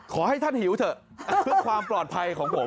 ขอให้ท่านหิวเถอะเพื่อความปลอดภัยของผม